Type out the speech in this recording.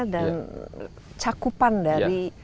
dan cakupan dari